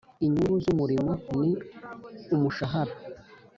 Inyungu z’umurimo ni umushahara